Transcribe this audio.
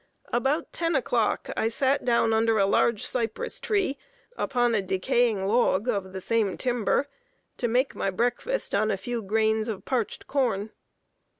About ten o'clock I sat down under a large cypress tree, upon a decaying log of the same timber, to make my breakfast on a few grains of parched corn.